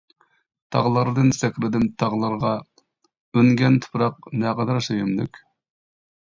تاغلاردىن سەكرىدىم تاغلارغا، ئۈنگەن تۇپراق نەقەدەر سۆيۈملۈك!